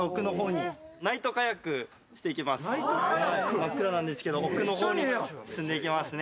真っ暗なんですけど奥の方に進んでいきますね。